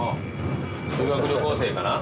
修学旅行生かな？